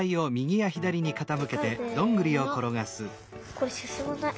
これすすまない。